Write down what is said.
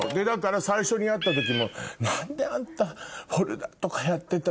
だから最初に会った時も「何であんた」。